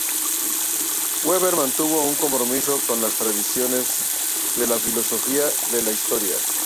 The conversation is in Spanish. Weber mantuvo un compromiso con las tradiciones de la "filosofía de la historia".